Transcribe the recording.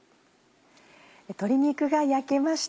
鶏肉が焼けました。